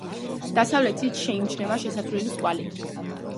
დასავლეთით შეიმჩნევა შესასვლელის კვალი.